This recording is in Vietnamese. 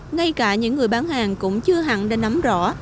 ngay cả những người bán hàng cũng chưa hẳn đã nắm rõ